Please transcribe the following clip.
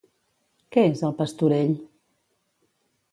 Què és el pastorell?